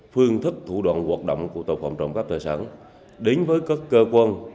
phương thức thủ đoạn hoạt động của tàu phòng trộm cắp tài sản đến với các cơ quan